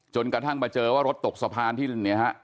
จนกระทั่งมาเจอว่ารถตกสะพานที่เนี่ยฮะ